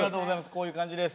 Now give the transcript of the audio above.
こういう感じです。